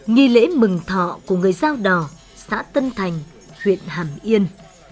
nghi lễ mừng thọ của người dao đỏ xã tân thành huyện hàm yên